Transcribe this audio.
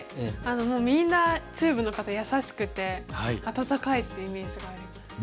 もうみんな中部の方優しくて温かいってイメージがあります。